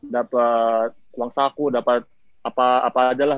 dapet uang saku dapet apa aja lah